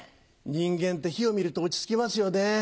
人間って火を見ると落ち着きますよね。